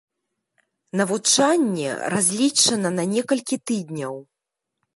Навучанне разлічана на некалькі тыдняў.